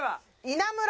稲村。